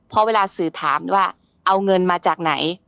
เพราะเวลาสื่อถามว่าเอาเงินมาจากไหน